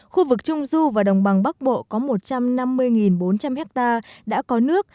khu vực trung du và đồng bằng bắc bộ có một hectare đã có nước